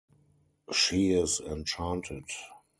She is enchanted.